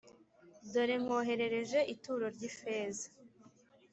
Dore nkoherereje ituro ry ifeza